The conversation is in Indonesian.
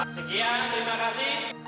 sekian terima kasih